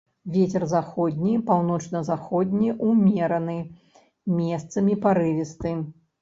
Вецер заходні, паўночна-заходні ўмераны, месцамі парывісты.